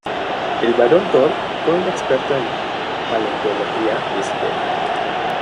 El barón Toll fue un experto en paleontología de Siberia.